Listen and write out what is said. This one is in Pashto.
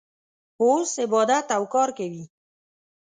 اوس عبادت او کار کوي.